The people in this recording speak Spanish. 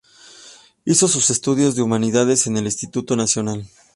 Hizo sus estudios de humanidades en el Instituto Nacional.